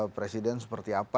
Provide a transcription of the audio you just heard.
presiden seperti apa